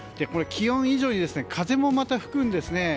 気温以上に風もまた吹くんですね。